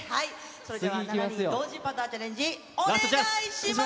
それでは７人同時パターチャレンジ、お願いします。